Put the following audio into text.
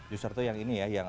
juicer tuh yang ini ya